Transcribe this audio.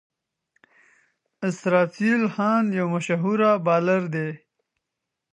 اسرافیل خان یو مشهور بالر دئ.